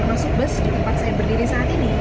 termasuk bus di tempat saya berdiri saat ini